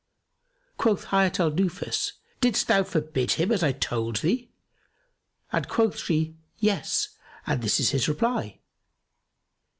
Quoth Hayat al Nufus, "Didst thou forbid him as I told thee?"; and quoth she, "Yes, and this is his reply."